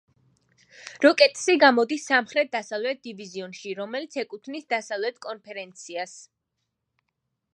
როკეტსი გამოდის სამხრეთ-დასავლეთ დივიზიონში, რომელიც ეკუთვნის დასავლეთ კონფერენციას.